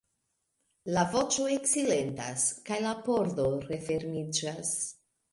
La voĉo eksilentas kaj la pordo refermiĝas.